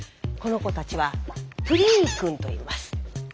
この子たちはプリーくんといいます。